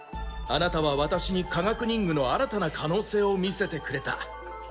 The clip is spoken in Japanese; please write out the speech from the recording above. あなたは私に科学忍具の新たな可能性を見せてくれた。